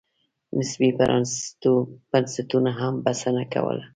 نسبي پرانېستو بنسټونو هم بسنه کوله.